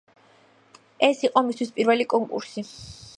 ეს იყო მისთვის პირველი კონკურსი.